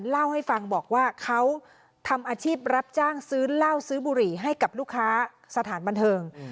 เล่าให้ฟังบอกว่าเขาทำอาชีพรับจ้างซื้อเหล้าซื้อบุหรี่ให้กับลูกค้าสถานบันเทิง